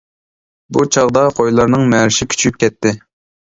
بۇ چاغدا قويلارنىڭ مەرىشى كۈچىيىپ كەتتى.